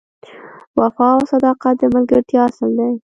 وفا او صداقت د ملګرتیا اصل دی.